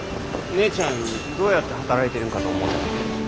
姉ちゃんどうやって働いてるんかと思うてな。